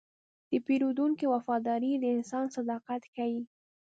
د پیرودونکي وفاداري د انسان صداقت ښيي.